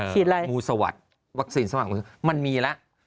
อะไรงูสวัสดิ์วัคซีนสวัสดิมันมีแล้ว